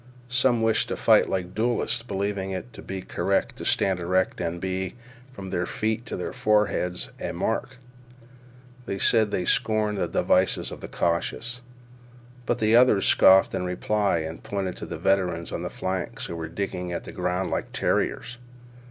Some wished to fight like duelists, believing it to be correct to stand erect and be, from their feet to their foreheads, a mark. They said they scorned the devices of the cautious. But the others scoffed in reply, and pointed to the veterans on the flanks who were digging at the ground like terriers.